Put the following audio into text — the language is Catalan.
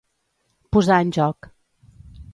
Posar en joc.